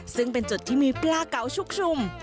ซึ่งเป็นจุดที่มีปลาเก๋าชุกชุม